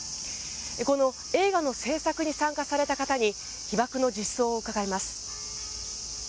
この映画の製作に参加された方に被爆の実相を伺います。